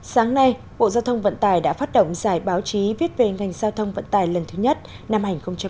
sáng nay bộ giao thông vận tài đã phát động giải báo chí viết về ngành giao thông vận tài lần thứ nhất năm hai nghìn một mươi chín hai nghìn hai mươi